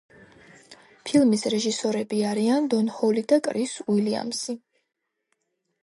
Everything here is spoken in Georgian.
ფილმის რეჟისორები არიან დონ ჰოლი და კრის უილიამსი.